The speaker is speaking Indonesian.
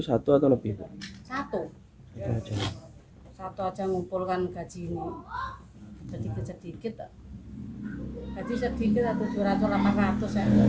satu atau lebih satu satu aja ngumpulkan gaji sedikit sedikit